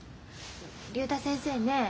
竜太先生ね